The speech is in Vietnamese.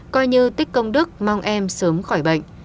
coi như tích công đức mong em sớm khỏi bệnh